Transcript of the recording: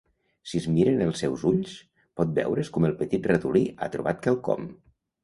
Si es miren els seus ulls, pot veure's com el petit ratolí ha trobat quelcom.